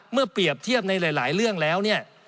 เมื่อเปรียบเทียบในหลายเรื่องแล้ว